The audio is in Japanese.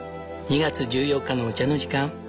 ２月１４日のお茶の時間